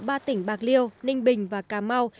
ba tỉnh bạc liêu ninh bình và cà mau